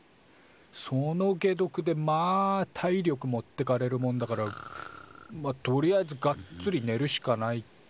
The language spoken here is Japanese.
その解毒でまあ体力持ってかれるもんだからまあとりあえずガッツリ寝るしかないっつう。